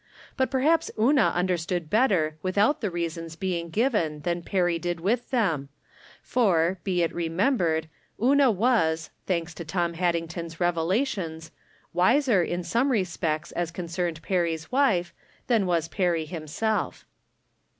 But perhaps Una understood better without the reasons being given than Perry did with them, for, be it remem bered, Una was, thanks to Tom Haddington's revelations, wiser in some respects, as concerned Perry's wife, than was Perry himself.